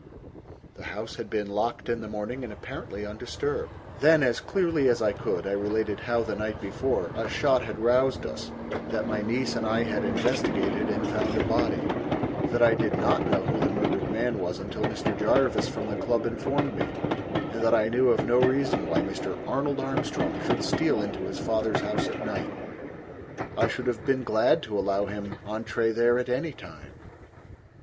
The house had been locked in the morning and apparently undisturbed. Then, as clearly as I could, I related how, the night before, a shot had roused us; that my niece and I had investigated and found a body; that I did not know who the murdered man was until Mr. Jarvis from the club informed me, and that I knew of no reason why Mr. Arnold Armstrong should steal into his father's house at night. I should have been glad to allow him entree there at any time.